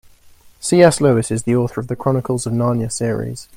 C.S. Lewis is the author of The Chronicles of Narnia series.